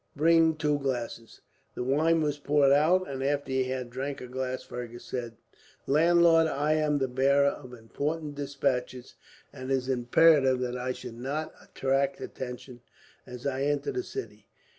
Bring two glasses." The wine was poured out, and after he had drank a glass Fergus said: "Landlord, I am the bearer of important despatches, and it is imperative that I should not attract attention as I enter the city.